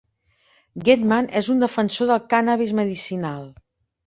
Gettman és un defensor del cànnabis medicinal.